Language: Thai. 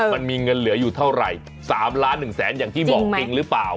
มันมีเงินเหลืออยู่เท่าไหร่๓ล้าน๑แสนอย่างที่บอกจริงหรือเปล่า